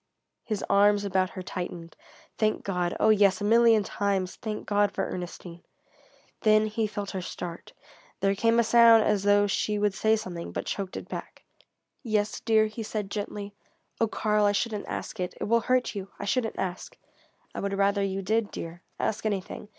His arms about her tightened. Thank God oh yes, a million times thank God for Ernestine! Then he felt her start; there came a sound as though she would say something, but choked it back. "Yes, dear?" he said gently. "Oh, Karl, I shouldn't ask it. It will hurt you. I shouldn't ask." "I would rather you did, dear. Ask anything.